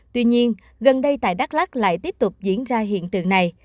tuy nhiên gần đây tại đắk lắc lại tiếp tục diễn ra hiện tượng này